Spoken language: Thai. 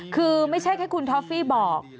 คือไม่ใช่แค่คุณท็อฟฟี่บอก